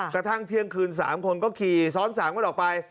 กระทั่งเที่ยงคืน๓คนก็ขี่ซ้อน๓กันออกไป